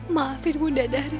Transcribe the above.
maafin bunda dari